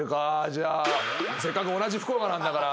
じゃあせっかく同じ福岡なんだから。